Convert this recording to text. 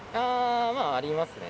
まあ、ありますね。